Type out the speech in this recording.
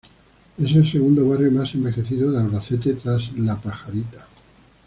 Es el segundo barrio más envejecido de Albacete tras La Pajarita.